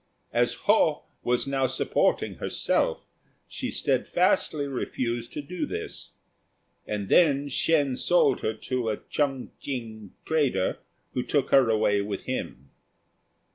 As Ho was now supporting herself, she steadfastly refused to do this; and then Shên sold her to a Chung ch'ing trader, who took her away with him.